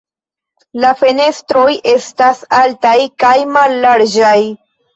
La fenestroj estas altaj kaj mallarĝaj.